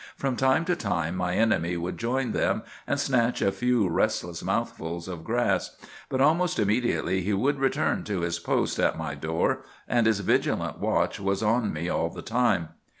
From time to time my enemy would join them, and snatch a few restless mouthfuls of grass. But almost immediately he would return to his post at my door, and his vigilant watch was on me all the time.